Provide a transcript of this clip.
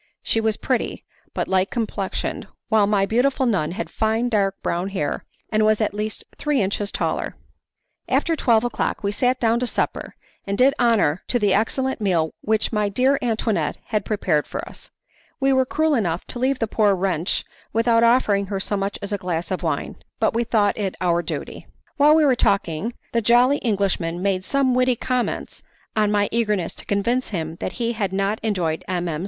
she was pretty, but light complexioned, while my beautiful nun had fine dark brown hair and was at least three inches taller. After twelve o'clock we sat down to supper, and did honour to the excellent meal which my dear Antoinette had prepared for us. We were cruel enough to leave the poor wretch without offering her so much as a glass of wine, but we thought it our duty. While we were talking, the jolly Englishman made some witty comments on my eagerness to convince him that he had not enjoyed M. M.